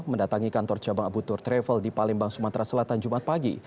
mendatangi kantor cabang abu tur travel di palembang sumatera selatan jumat pagi